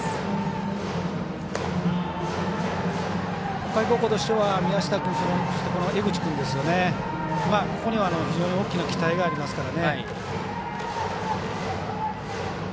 北海高校としては宮下君そして、江口君ですよね、非常に大きな期待がありますから。